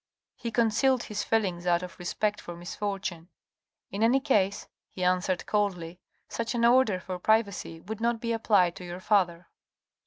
He concealed his feelings out of respect for misfortune. " In any case," he answered coldly, " such an order for privacy would not be applied to your father."